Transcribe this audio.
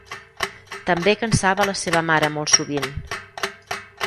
També cansava la seva mare molt sovint.